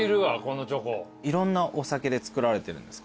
いろんなお酒で作られてるんですか？